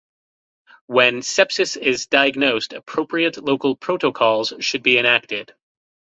When sepsis is diagnosed, appropriate local protocols should be enacted.